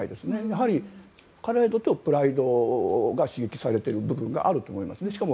やはりプライドが刺激されてる部分があると思います。